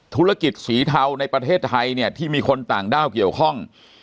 ธุรกิจสีเทาในประเทศไทยเนี่ยที่มีคนต่างด้าวเกี่ยวข้อง